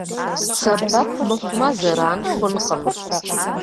Сэбэп мыхъумэ, зэран хъункъым.